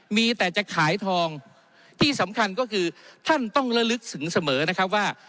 มีแต่จะขายทองที่สำคัญก็คือท่านต้องระลึกถึงเสมอนะครับว่า